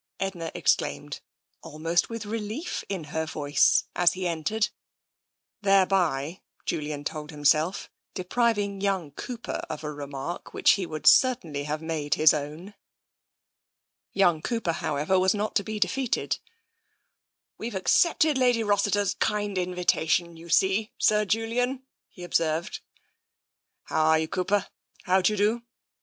Edna exclaimed, almost with re lief in her voice, as he entered, thereby, Julian told himself, depriving young Cooper of a remark which he would certainly have made his own. Young Cooper, however, was not to be defeated. " We've accepted Lady Rossiter's kind invitation, you see. Sir Julian," he observed. TENSION 37 "How are you, Cooper? How d'y^e do?"